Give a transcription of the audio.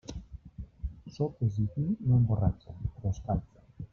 Sopes i vi no emborratxen, però escalfen.